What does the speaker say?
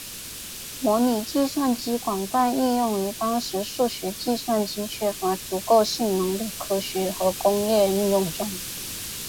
模拟计算机广泛用于当时数字计算机缺乏足够性能的科学和工业应用中。